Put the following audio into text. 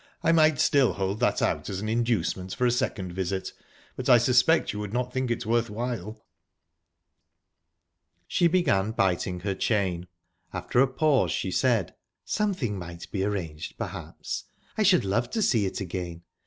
I might still hold that out as an inducement for a second visit, but I suspect you would think it not worth while?" She began biting her chain. After a pause, she said: "Something might be arranged, perhaps. I should love to see it again.